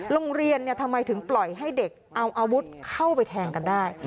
โรงเรียนทำไมถึงปล่อยให้เด็กเอาอาวุธเข้าไปแทงกันได้